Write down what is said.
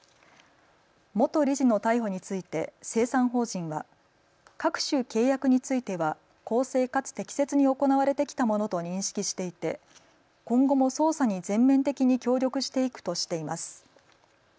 元理事の逮捕について精算法人は各種契約については公正かつ適切に行われてきたものと認識していて今後も捜査に全面的に協力していくとしています。